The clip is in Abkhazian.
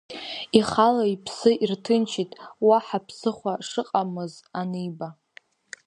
Ихала иԥсы ирҭынчит, уаҳа ԥсыхәа шыҟамыз аниба.